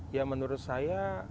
ya menurut saya